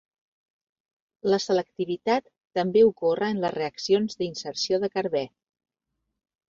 La selectivitat també ocorre en les reaccions d'inserció de carbè.